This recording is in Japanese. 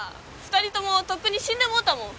２人ともとっくに死んでもうたもん。